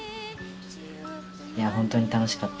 いやあ本当に楽しかった。